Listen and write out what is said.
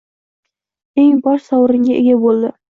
eng bosh sovringa ega bo‘ldi.